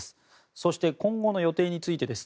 そして今後の予定についてです。